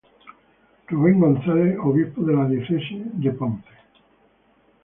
Ruben Gonzalez, Obispo de la Diócesis de Ponce.